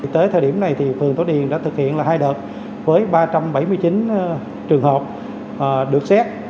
tới thời điểm này thì phường tố điền đã thực hiện hai đợt với ba trăm bảy mươi chín trường hợp được xét